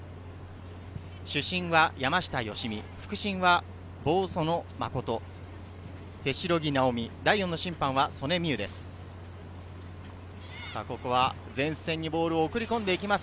主審が山下良美、副審は坊薗真琴、手代木直美、第４の審判は曽根未宇です。